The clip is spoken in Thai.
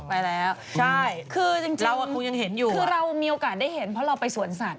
ไปแล้วคือจริงเรามีโอกาสได้เห็นเพราะเราไปสวนสัตว์